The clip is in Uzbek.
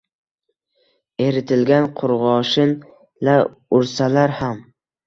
Eritilgan qurgoshin-la ursalar ham!